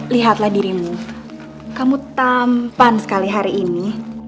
lihatlah dirimu kamu tampan sekali hari ini